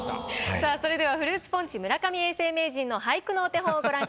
さあそれではフルーツポンチ村上永世名人の俳句のお手本をご覧ください。